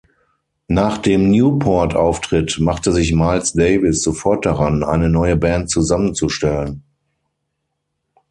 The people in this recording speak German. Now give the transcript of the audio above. Nach dem Newport-Auftritt machte sich Miles Davis sofort daran, eine neue Band zusammenzustellen.